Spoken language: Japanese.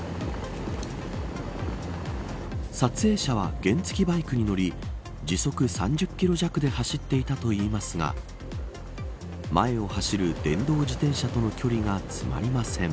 撮影者は原付バイクに乗り時速３０キロ弱で走っていたといいますが前を走る電動自転車との距離が詰まりません。